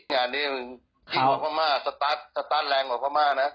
งานนี้ฟิ้นมากมากสตาร์ทแรงมากมากนะ